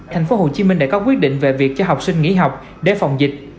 thành phố hồ chí minh đã có quyết định về việc cho học sinh nghỉ học để phòng dịch